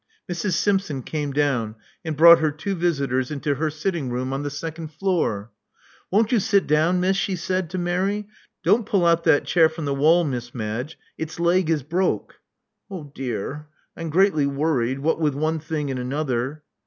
Mrs. Simpson came down, and brought her two visitors into her sitting room on the second floor. Won't you sit down, Miss, she said to Mary, Don't pull out that chair from the wall, Miss Madge: its leg is broke. Oh dear! I'm greatly worrited, what with one thing and another.